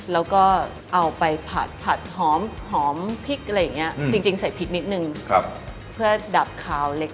แล้วก็เอาไปผัดหอมพริกอะไรอย่างนี้จริงใส่พริกนิดนึงเพื่อดับขาวเล็ก